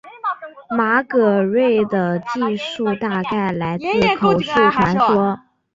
马格瑞的记述大概来自口述传说。